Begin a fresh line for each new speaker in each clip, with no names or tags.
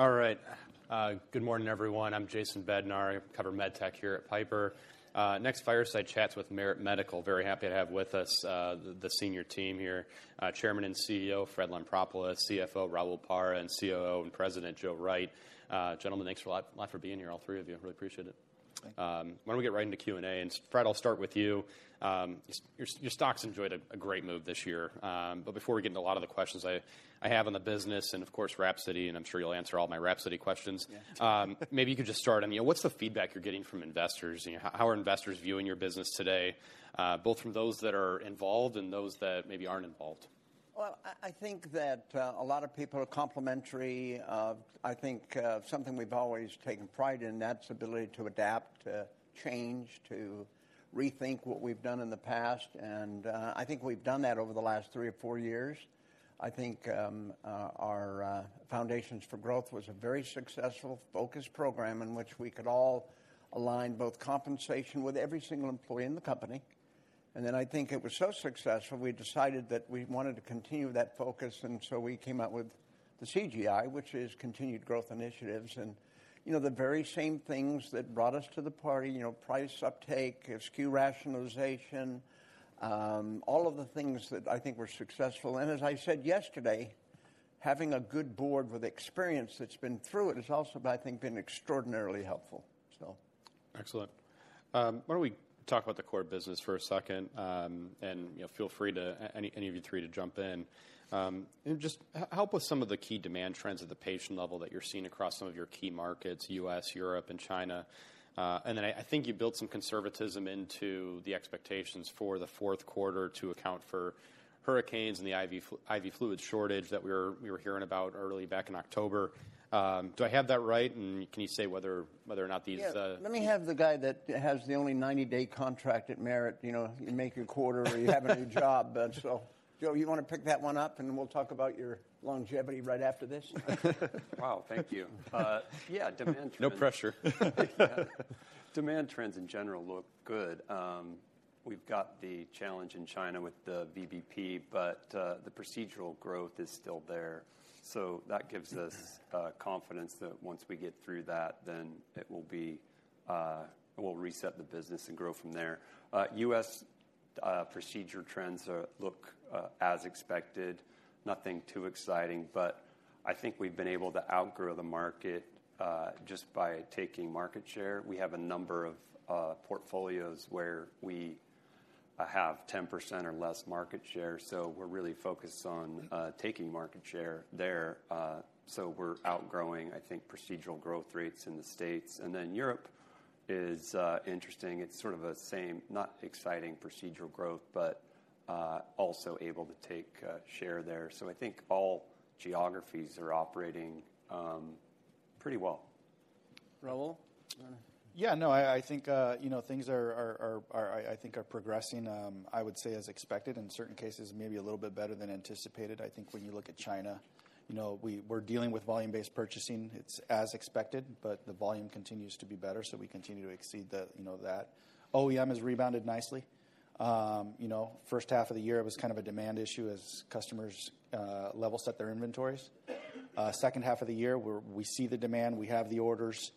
All right. Good morning, everyone. I'm Jason Bednar. I cover med tech here at Piper. Next fireside chat's with Merit Medical. Very happy to have with us the senior team here, Chairman and CEO Fred Lampropoulos, CFO Raul Parra, and COO and President Joe Wright. Gentlemen, thanks for being here, all three of you. Really appreciate it.
Thank you.
Why don't we get right into Q&A? Fred, I'll start with you. Your stocks enjoyed a great move this year. But before we get into a lot of the questions I have on the business and, of course, WRAPSODY, and I'm sure you'll answer all my WRAPSODY questions, maybe you could just start. What's the feedback you're getting from investors? How are investors viewing your business today, both from those that are involved and those that maybe aren't involved?
I think that a lot of people are complimentary. I think something we've always taken pride in, that's the ability to adapt, to change, to rethink what we've done in the past. I think we've done that over the last three or four years. I think our Foundations for Growth was a very successful focus program in which we could all align both compensation with every single employee in the company. Then I think it was so successful we decided that we wanted to continue that focus. We came out with the CGI, which is Continued Growth Initiatives. The very same things that brought us to the party, price, uptake, SKU rationalization, all of the things that I think were successful. As I said yesterday, having a good board with experience that's been through it has also, I think, been extraordinarily helpful.
Excellent. Why don't we talk about the core business for a second, and feel free to, any of you three, to jump in. Just help with some of the key demand trends at the patient level that you're seeing across some of your key markets, U.S., Europe, and China, and then I think you built some conservatism into the expectations for the fourth quarter to account for hurricanes and the IV fluid shortage that we were hearing about early back in October. Do I have that right, and can you say whether or not these?
Yeah. Let me have the guy that has the only 90-day contract at Merit. You make your quarter or you have a new job. So Joe, you want to pick that one up? And we'll talk about your longevity right after this.
Wow. Thank you. Yeah, demand trends.
No pressure. Demand trends in general look good. We've got the challenge in China with the VBP, but the procedural growth is still there. So that gives us confidence that once we get through that, then it will reset the business and grow from there. U.S. procedure trends look as expected, nothing too exciting. But I think we've been able to outgrow the market just by taking market share. We have a number of portfolios where we have 10% or less market share. So we're really focused on taking market share there. So we're outgrowing, I think, procedural growth rates in the States. And then Europe is interesting. It's sort of the same, not exciting procedural growth, but also able to take share there. So I think all geographies are operating pretty well.
Raul?
Yeah. No, I think things are progressing, I would say, as expected. In certain cases, maybe a little bit better than anticipated. I think when you look at China, we're dealing with volume-based purchasing. It's as expected, but the volume continues to be better. So we continue to exceed that. OEM has rebounded nicely. First half of the year, it was kind of a demand issue as customers level set their inventories. Second half of the year, we see the demand. We have the orders.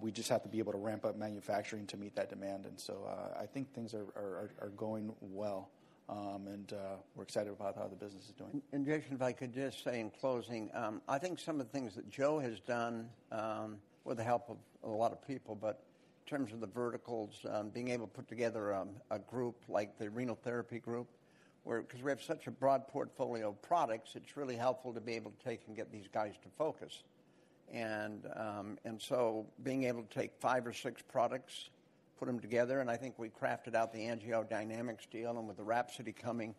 We just have to be able to ramp up manufacturing to meet that demand. And so I think things are going well. And we're excited about how the business is doing.
And Jason, if I could just say in closing, I think some of the things that Joe has done with the help of a lot of people, but in terms of the verticals, being able to put together a group like the Renal Therapy Group, because we have such a broad portfolio of products, it's really helpful to be able to take and get these guys to focus. And so being able to take five or six products, put them together, and I think we carved out the AngioDynamics deal. And with the WRAPSODY coming,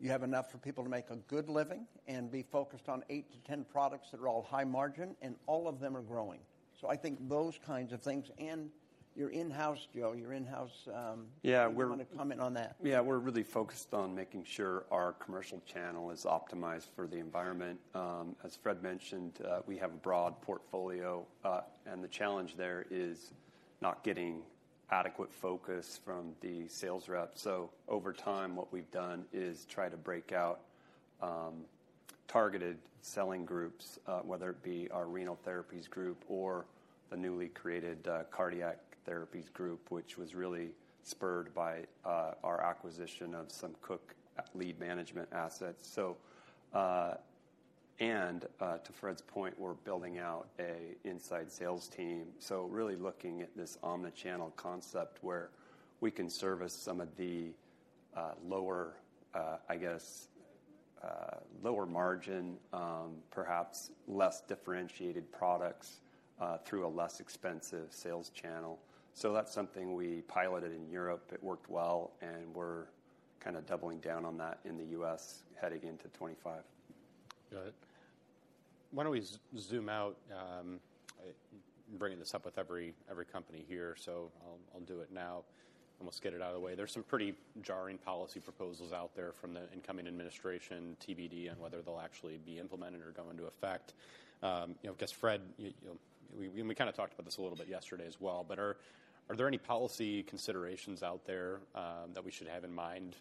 you have enough for people to make a good living and be focused on eight to 10 products that are all high margin, and all of them are growing. So I think those kinds of things. And you're in-house, Joe, you're in-house.
Yeah.
Do you want to comment on that?
Yeah. We're really focused on making sure our commercial channel is optimized for the environment. As Fred mentioned, we have a broad portfolio. And the challenge there is not getting adequate focus from the sales rep. So over time, what we've done is try to break out targeted selling groups, whether it be our renal therapies group or the newly created Cardiac Therapies Group, which was really spurred by our acquisition of some Cook lead management assets. And to Fred's point, we're building out an inside sales team. So really looking at this omnichannel concept where we can service some of the lower, I guess, lower margin, perhaps less differentiated products through a less expensive sales channel. So that's something we piloted in Europe. It worked well. And we're kind of doubling down on that in the U.S. heading into 2025.
Why don't we zoom out? I'm bringing this up with every company here, so I'll do it now and we'll get it out of the way. There's some pretty jarring policy proposals out there from the incoming administration, TBD, on whether they'll actually be implemented or go into effect. I guess, Fred, we kind of talked about this a little bit yesterday as well, but are there any policy considerations out there that we should have in mind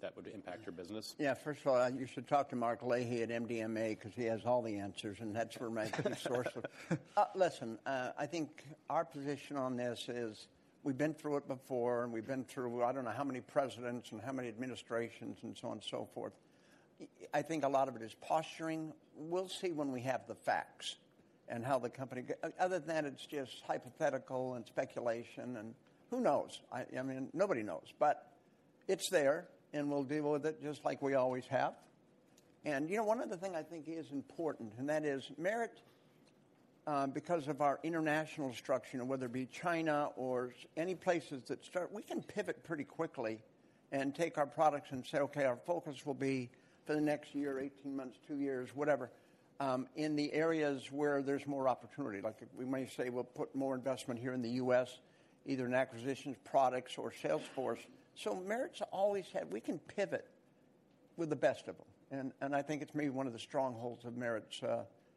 that would impact your business?
Yeah. First of all, you should talk to Mark Leahey at MDMA because he has all the answers. And that's where my source of. Listen, I think our position on this is we've been through it before. And we've been through, I don't know how many presidents and how many administrations and so on and so forth. I think a lot of it is posturing. We'll see when we have the facts and how the company other than that, it's just hypothetical and speculation. And who knows? I mean, nobody knows. But it's there. And we'll deal with it just like we always have. One other thing I think is important, and that is Merit, because of our international structure, whether it be China or any places that start, we can pivot pretty quickly and take our products and say, "Okay, our focus will be for the next year, 18 months, two years, whatever," in the areas where there's more opportunity. We may say we'll put more investment here in the U.S., either in acquisitions, products, or sales force. So Merit's always had we can pivot with the best of them. I think it's maybe one of the strongholds of Merit's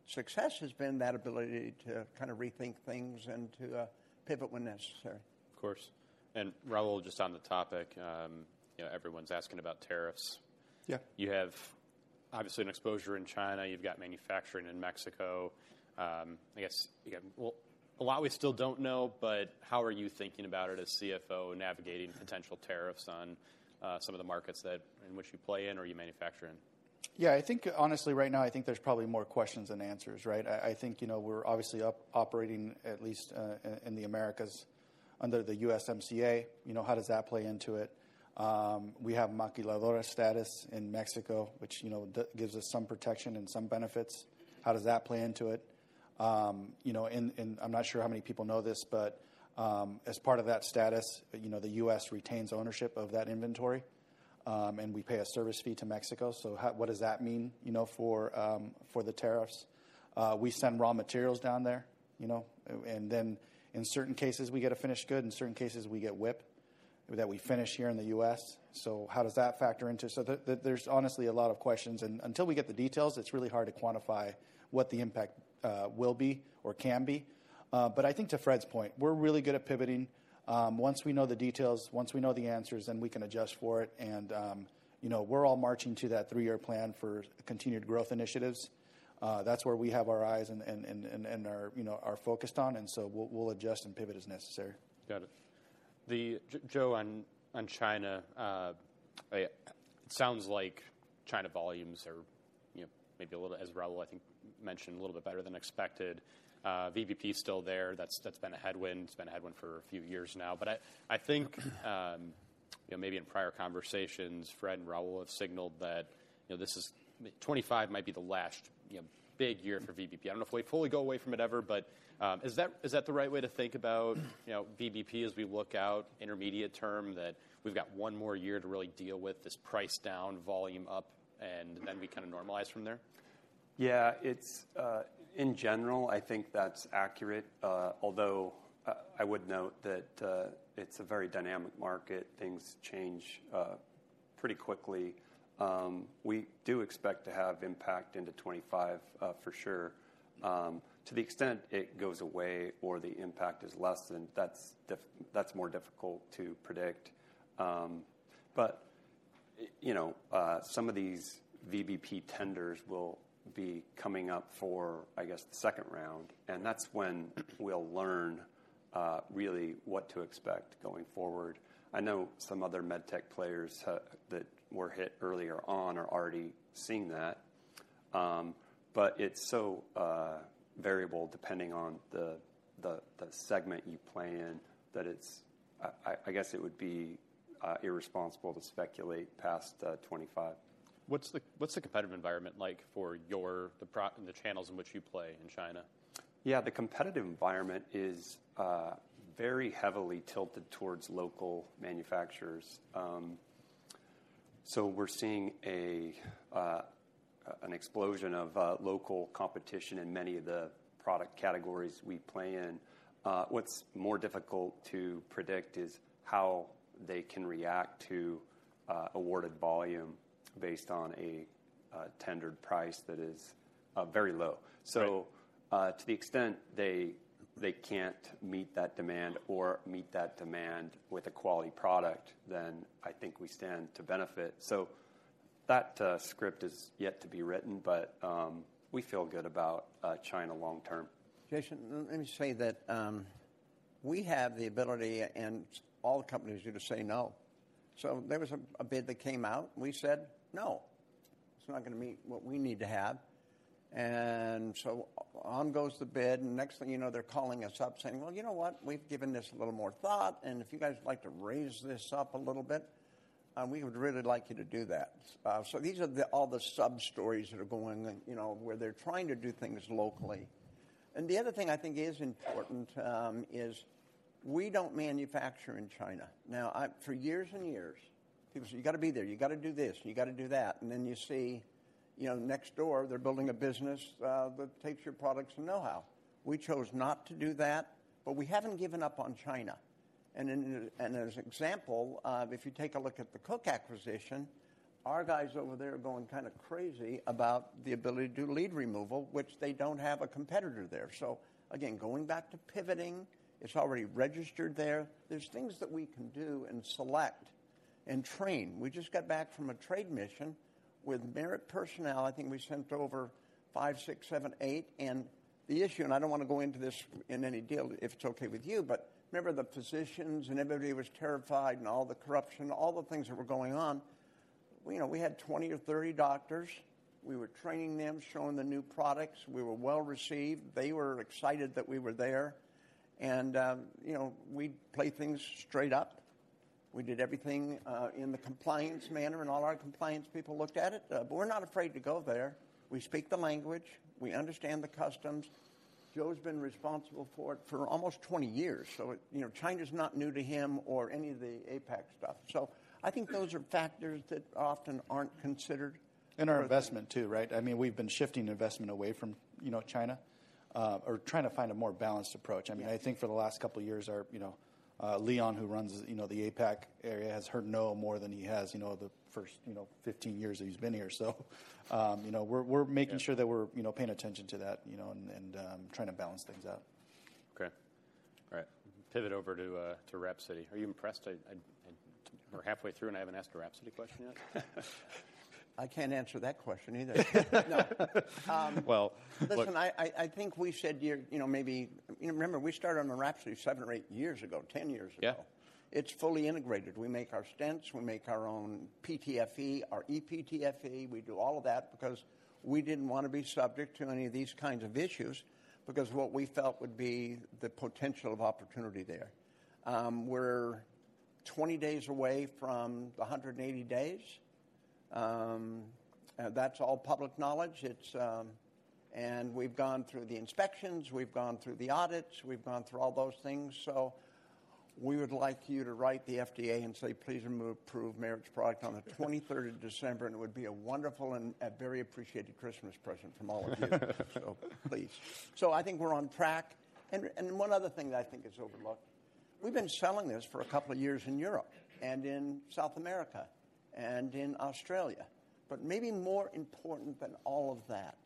success has been that ability to kind of rethink things and to pivot when necessary.
Of course. And Raul, just on the topic, everyone's asking about tariffs. You have obviously an exposure in China. You've got manufacturing in Mexico. I guess a lot we still don't know, but how are you thinking about it as CFO navigating potential tariffs on some of the markets in which you play in or you manufacture in?
Yeah. I think honestly, right now, I think there's probably more questions than answers. I think we're obviously operating at least in the Americas under the USMCA. How does that play into it? We have maquiladora status in Mexico, which gives us some protection and some benefits. How does that play into it? And I'm not sure how many people know this, but as part of that status, the U.S. retains ownership of that inventory. And we pay a service fee to Mexico. So what does that mean for the tariffs? We send raw materials down there. And then in certain cases, we get a finished good. In certain cases, we get WIP that we finish here in the U.S. So how does that factor into it? So there's honestly a lot of questions. And until we get the details, it's really hard to quantify what the impact will be or can be. But I think to Fred's point, we're really good at pivoting. Once we know the details, once we know the answers, then we can adjust for it. And we're all marching to that three-year plan for continued growth initiatives. That's where we have our eyes and are focused on. And so we'll adjust and pivot as necessary.
Got it. Joe on China, it sounds like China volumes are maybe a little bit, as Raul, I think, mentioned a little bit better than expected. VBP is still there. That's been a headwind. It's been a headwind for a few years now. But I think maybe in prior conversations, Fred and Raul have signaled that 2025 might be the last big year for VBP. I don't know if we fully go away from it ever. But is that the right way to think about VBP as we look out intermediate term that we've got one more year to really deal with this price down, volume up, and then we kind of normalize from there?
Yeah. In general, I think that's accurate. Although I would note that it's a very dynamic market. Things change pretty quickly. We do expect to have impact into 2025 for sure. To the extent it goes away or the impact is less, then that's more difficult to predict. But some of these VBP tenders will be coming up for, I guess, the second round. And that's when we'll learn really what to expect going forward. I know some other med tech players that were hit earlier on are already seeing that. But it's so variable depending on the segment you play in that it's, I guess, it would be irresponsible to speculate past 2025.
What's the competitive environment like for the channels in which you play in China?
Yeah. The competitive environment is very heavily tilted towards local manufacturers. So we're seeing an explosion of local competition in many of the product categories we play in. What's more difficult to predict is how they can react to awarded volume-based on a tendered price that is very low. So to the extent they can't meet that demand or meet that demand with a quality product, then I think we stand to benefit. So that script is yet to be written. But we feel good about China long-term.
Jason, let me say that we have the ability and all the companies do to say no, so there was a bid that came out. We said, "No. It's not going to meet what we need to have," and so on goes the bid, and next thing you know, they're calling us up saying, "Well, you know what? We've given this a little more thought. And if you guys would like to raise this up a little bit, we would really like you to do that," so these are all the sub stories that are going where they're trying to do things locally, and the other thing I think is important is we don't manufacture in China. Now, for years and years, people say, "You got to be there. You got to do this. You got to do that," and then you see next door, they're building a business that takes your products and know-how. We chose not to do that, but we haven't given up on China, and as an example, if you take a look at the Cook acquisition, our guys over there are going kind of crazy about the ability to do lead removal, which they don't have a competitor there. So again, going back to pivoting, it's already registered there. There's things that we can do and select and train. We just got back from a trade mission with Merit personnel. I think we sent over five, six, seven, eight, and the issue, and I don't want to go into this in any deal if it's okay with you, but remember the physicians and everybody was terrified and all the corruption, all the things that were going on. We had 20 or 30 doctors. We were training them, showing the new products. We were well received. They were excited that we were there and we play things straight up. We did everything in the compliance manner, and all our compliance people looked at it, but we're not afraid to go there. We speak the language. We understand the customs. Joe's been responsible for it for almost 20 years, so China's not new to him or any of the APAC stuff. I think those are factors that often aren't considered.
Our investment too, right? I mean, we've been shifting investment away from China or trying to find a more balanced approach. I mean, I think for the last couple of years, Leon who runs the APAC area has heard no more than he has the first 15 years that he's been here. So we're making sure that we're paying attention to that and trying to balance things out.
Okay. All right. Pivot over to WRAPSODY. Are you impressed? We're halfway through, and I haven't asked a WRAPSODY question yet.
I can't answer that question either.
Well.
Listen, I think we said maybe remember we started on the WRAPSODY seven or eight years ago, 10 years ago. It's fully integrated. We make our stents. We make our own PTFE, our ePTFE. We do all of that because we didn't want to be subject to any of these kinds of issues because what we felt would be the potential of opportunity there. We're 20 days away from the 180 days. That's all public knowledge. We've gone through the inspections. We've gone through the audits. We've gone through all those things. We would like you to write the FDA and say, "Please approve Merit's product on the 23rd of December." It would be a wonderful and a very appreciated Christmas present from all of you. Please. I think we're on track. One other thing that I think is overlooked. We've been selling this for a couple of years in Europe and in South America and in Australia. But maybe more important than all of that,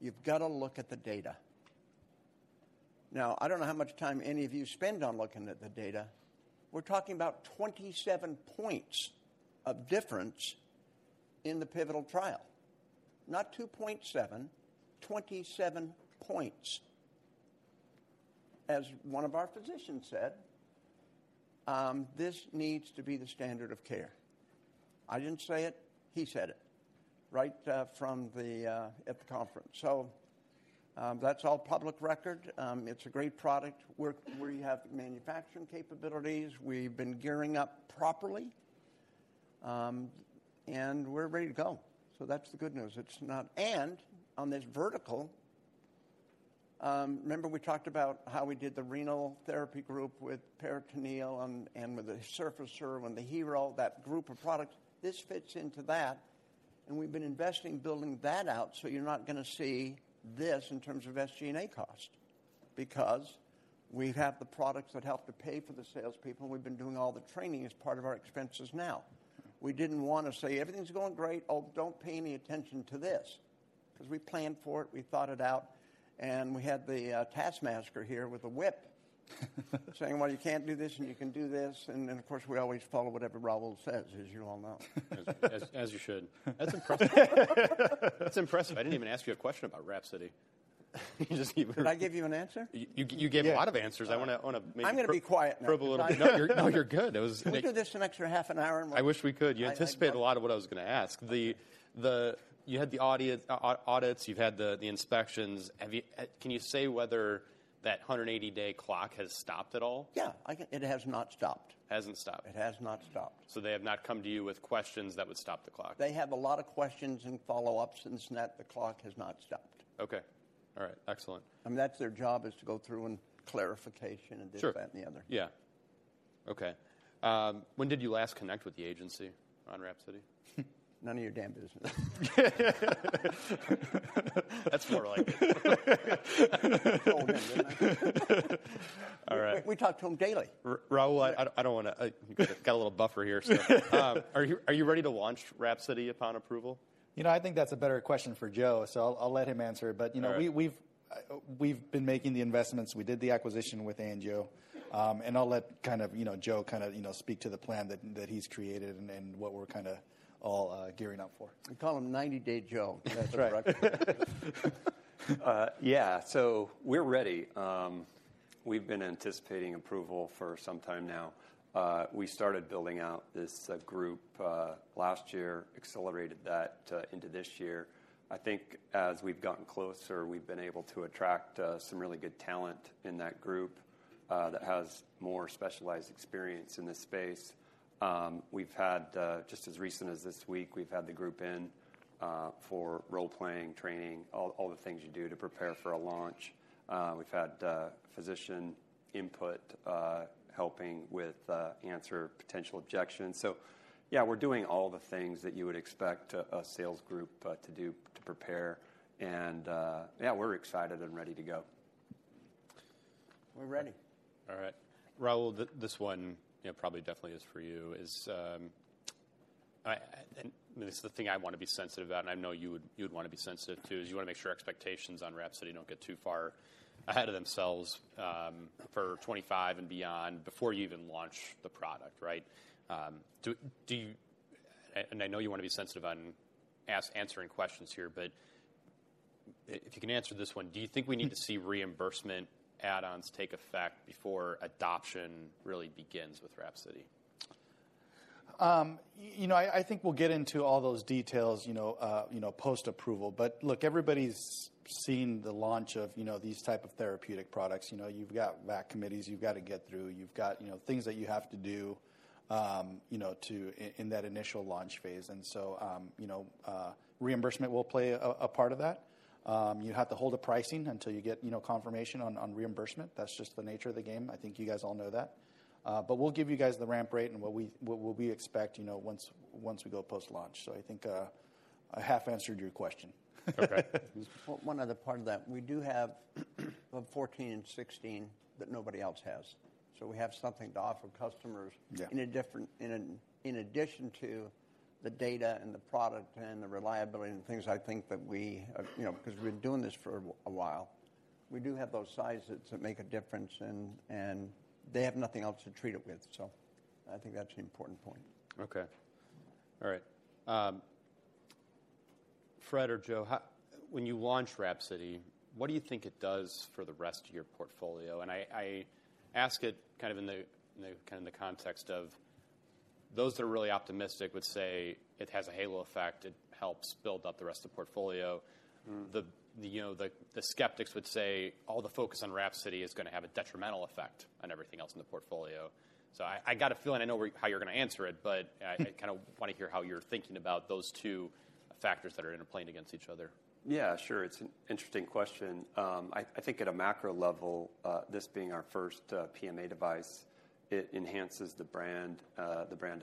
you've got to look at the data. Now, I don't know how much time any of you spend on looking at the data. We're talking about 27 points of difference in the pivotal trial. Not 2.7, 27 points. As one of our physicians said, this needs to be the standard of care. I didn't say it. He said it right at the conference. So that's all public record. It's a great product where you have manufacturing capabilities. We've been gearing up properly. And we're ready to go. So that's the good news. And on this vertical, remember we talked about how we did the Renal Therapy Group with peritoneal and with the Surfacer and the HeRO that group of products. This fits into that, and we've been investing, building that out, so you're not going to see this in terms of SG&A cost because we have the products that help to pay for the salespeople. We've been doing all the training as part of our expenses now. We didn't want to say, "Everything's going great. Oh, don't pay any attention to this," because we planned for it. We thought it out, and we had the taskmaster here with the WIP saying, "Well, you can't do this, and you can do this." Of course, we always follow whatever Raul says, as you all know.
As you should. That's impressive. That's impressive. I didn't even ask you a question about WRAPSODY.
Did I give you an answer?
You gave a lot of answers. I want to.
I'm going to be quiet now.
No, you're good.
We can do this an extra half an hour and we'll.
I wish we could. You anticipated a lot of what I was going to ask. You had the audits. You've had the inspections. Can you say whether that 180-day clock has stopped at all?
Yeah. It has not stopped.
Hasn't stopped.
It has not stopped.
So they have not come to you with questions that would stop the clock?
They have a lot of questions and follow-ups. And it's not. The clock has not stopped.
Okay. All right. Excellent.
I mean, that's their job is to go through and clarification and this, that, and the other.
Sure. Yeah. Okay. When did you last connect with the agency on WRAPSODY?
None of your damn business.
That's more likely.
We talk to them daily.
Raul, I don't want to. I got a little buffer here. Are you ready to launch WRAPSODY upon approval?
I think that's a better question for Joe. So I'll let him answer. But we've been making the investments. We did the acquisition with Angio. And I'll let kind of Joe kind of speak to the plan that he's created and what we're kind of all gearing up for.
We call him 90-day Joe. That's right.
Yeah. So we're ready. We've been anticipating approval for some time now. We started building out this group last year, accelerated that into this year. I think as we've gotten closer, we've been able to attract some really good talent in that group that has more specialized experience in this space. We've had just as recent as this week, we've had the group in for role-playing, training, all the things you do to prepare for a launch. We've had physician input helping with answer potential objections. So yeah, we're doing all the things that you would expect a sales group to do to prepare. And yeah, we're excited and ready to go.
We're ready.
All right. Raul, this one probably definitely is for you. This is the thing I want to be sensitive about. I know you would want to be sensitive too. You want to make sure expectations on WRAPSODY don't get too far ahead of themselves for 2025 and beyond before you even launch the product, right? I know you want to be sensitive on answering questions here. But if you can answer this one, do you think we need to see reimbursement add-ons take effect before adoption really begins with WRAPSODY?
I think we'll get into all those details post-approval. But look, everybody's seen the launch of these type of therapeutic products. You've got VAC committees you've got to get through. You've got things that you have to do in that initial launch phase. And so reimbursement will play a part of that. You have to hold the pricing until you get confirmation on reimbursement. That's just the nature of the game. I think you guys all know that. But we'll give you guys the ramp rate and what we expect once we go post-launch. So I think I half answered your question.
Okay.
One other part of that. We do have '14 and '16 that nobody else has, so we have something to offer customers in addition to the data and the product and the reliability and things, I think, that we, because we've been doing this for a while. We do have those sizes that make a difference, and they have nothing else to treat it with, so I think that's an important point.
Okay. All right. Fred or Joe, when you launch WRAPSODY, what do you think it does for the rest of your portfolio, and I ask it kind of in the context of those that are really optimistic would say it has a halo effect. It helps build up the rest of the portfolio. The skeptics would say all the focus on WRAPSODY is going to have a detrimental effect on everything else in the portfolio, so I got a feeling. I know how you're going to answer it, but I kind of want to hear how you're thinking about those two factors that are interplaying against each other.
Yeah. Sure. It's an interesting question. I think at a macro level, this being our first PMA device, it enhances the brand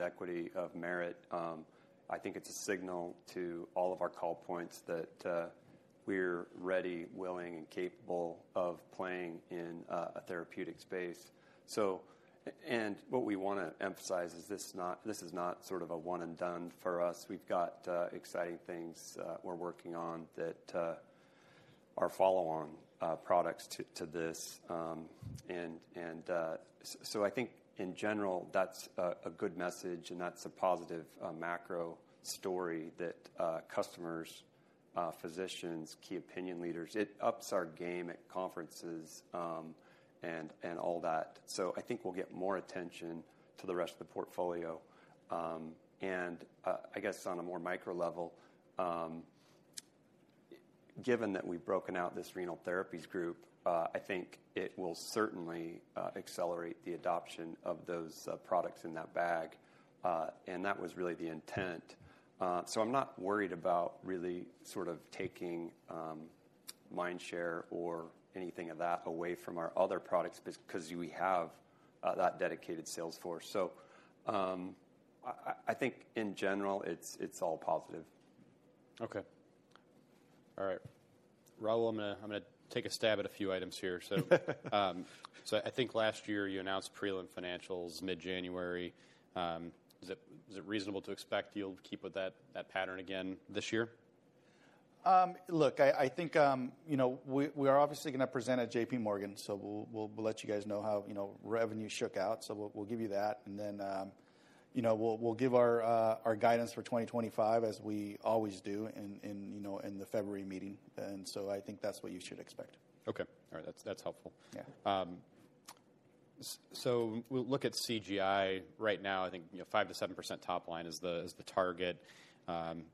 equity of Merit. I think it's a signal to all of our call points that we're ready, willing, and capable of playing in a therapeutic space. And what we want to emphasize is this is not sort of a one and done for us. We've got exciting things we're working on that are follow-on products to this. And so I think in general, that's a good message. And that's a positive macro story that customers, physicians, key opinion leaders. It ups our game at conferences and all that. So I think we'll get more attention to the rest of the portfolio. I guess on a more micro level, given that we've broken out this Renal Therapies Group, I think it will certainly accelerate the adoption of those products in that bag. That was really the intent. I'm not worried about really sort of taking mindshare or anything of that away from our other products because we have that dedicated sales force. I think in general, it's all positive.
Okay. All right. Raul, I'm going to take a stab at a few items here. So I think last year you announced Prelim Financials mid-January. Is it reasonable to expect you'll keep with that pattern again this year?
Look, I think we are obviously going to present at J.P. Morgan. So we'll let you guys know how revenue shook out. So we'll give you that. And then we'll give our guidance for 2025 as we always do in the February meeting. And so I think that's what you should expect.
Okay. All right. That's helpful. So we'll look at CGI right now. I think 5%-7% top line is the target.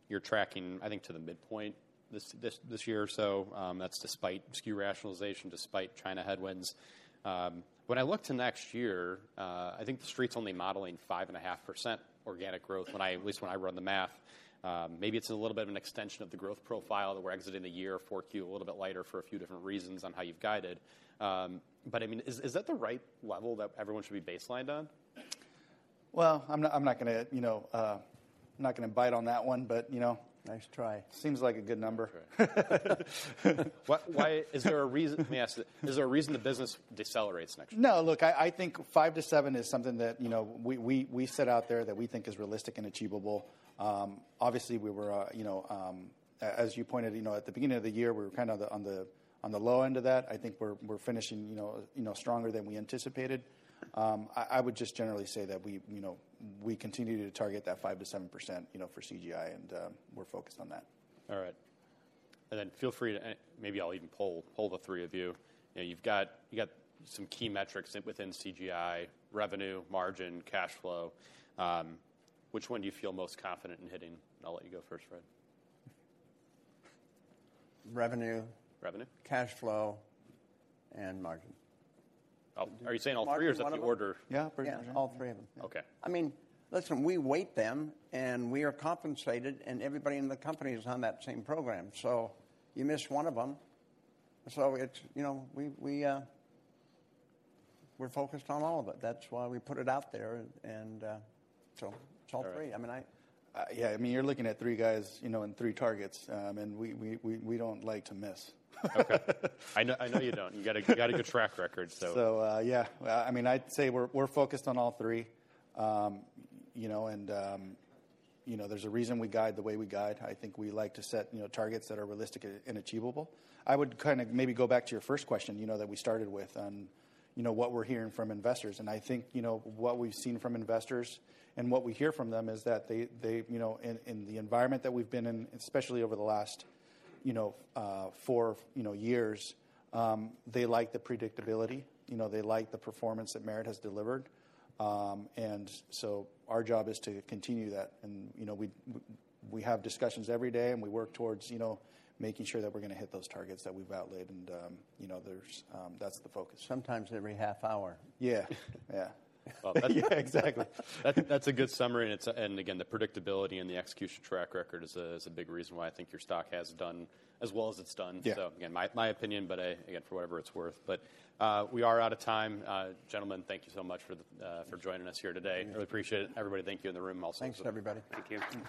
You're tracking, I think, to the midpoint this year. So that's despite SKU rationalization, despite China headwinds. When I look to next year, I think the street's only modeling 5.5% organic growth, at least when I run the math. Maybe it's a little bit of an extension of the growth profile that we're exiting the year for Q4 a little bit lighter for a few different reasons on how you've guided. But I mean, is that the right level that everyone should be baselined on?
I'm not going to bite on that one, but nice try. Seems like a good number.
Is there a reason the business decelerates next year?
No. Look, I think 5%-7% is something that we set out there that we think is realistic and achievable. Obviously, we were, as you pointed at the beginning of the year, we were kind of on the low end of that. I think we're finishing stronger than we anticipated. I would just generally say that we continue to target that 5%-7% for CGI. We're focused on that.
All right. And then feel free to maybe I'll even poll the three of you. You've got some key metrics within CGI: revenue, margin, cash flow. Which one do you feel most confident in hitting? And I'll let you go first, Fred.
Revenue.
Revenue.
Cash flow, and margin.
Are you saying all three or is it the order?
Yeah. All three of them.
Okay.
I mean, listen, we weigh them. And we are compensated. And everybody in the company is on that same program. So you miss one of them. So we're focused on all of it. That's why we put it out there. And so it's all three. I mean.
Yeah. I mean, you're looking at three guys and three targets, and we don't like to miss.
Okay. I know you don't. You got a good track record, so.
So yeah. I mean, I'd say we're focused on all three. And there's a reason we guide the way we guide. I think we like to set targets that are realistic and achievable. I would kind of maybe go back to your first question that we started with on what we're hearing from investors. And I think what we've seen from investors and what we hear from them is that in the environment that we've been in, especially over the last four years, they like the predictability. They like the performance that Merit has delivered. And so our job is to continue that. And we have discussions every day. And we work towards making sure that we're going to hit those targets that we've outlaid. And that's the focus.
Sometimes every half hour.
Yeah. Yeah.
Well, that's exactly. That's a good summary. And again, the predictability and the execution track record is a big reason why I think your stock has done as well as it's done. So again, my opinion. But again, for whatever it's worth. But we are out of time. Gentlemen, thank you so much for joining us here today. Really appreciate it. Everybody, thank you in the room also.
Thanks, everybody.
Thank you.